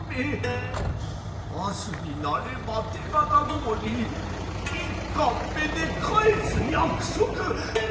明日になれば手形通り一貫目で返す約束。